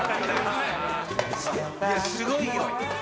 いやすごいよ！